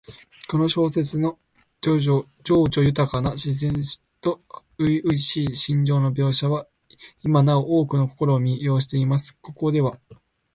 この小説の叙情豊かな自然と初々しい心情の描写は、今なお多くの人々を魅了しています。ここでは、